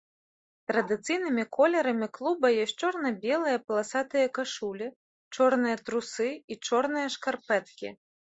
Традыцыйнымі колерамі клуба ёсць чорна-белыя паласатыя кашулі, чорныя трусы і чорныя шкарпэткі.